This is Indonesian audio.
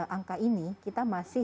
angka ini kita masih